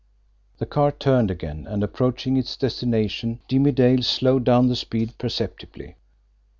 The car turned again, and, approaching its destination, Jimmie Dale slowed down the speed perceptibly.